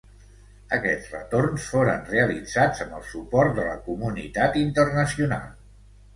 Aquests retorns foren realitzats amb el suport de la comunitat internacional.